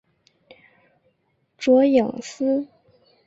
卓颖思。